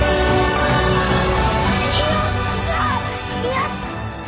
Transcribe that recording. やった！